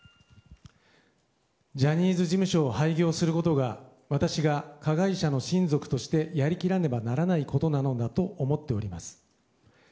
ジャニーズ事務所を廃業することが私が加害者の親族としてやりきらねばならぬことなのだと思っております。